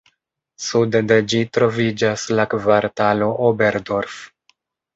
Sude de ĝi troviĝas la kvartalo Oberdorf.